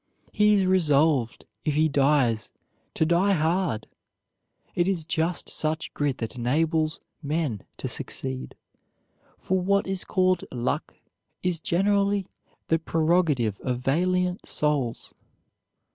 He is resolved, if he dies, to die hard. It is just such grit that enables men to succeed, for what is called luck is generally the prerogative of valiant souls.